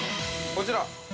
◆こちら。